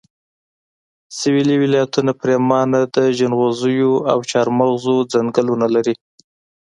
سويلي ولایتونه پرېمانه د جنغوزیو او چارمغزو ځنګلونه لري